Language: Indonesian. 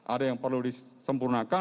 ada yang perlu disempurnakan